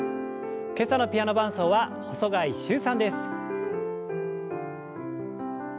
今朝のピアノ伴奏は細貝柊さんです。